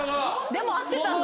でも合ってたんだ。